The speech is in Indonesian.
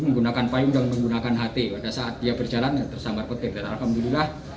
menggunakan payung dan menggunakan ht pada saat dia berjalan tersambar petir dan alhamdulillah